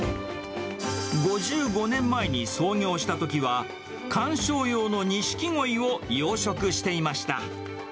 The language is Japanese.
５５年前に創業したときは、観賞用のニシキゴイを養殖していました。